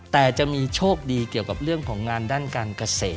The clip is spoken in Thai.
แต่จะมีโชคดีเกี่ยวกับเรื่องของงานด้านการเกษตร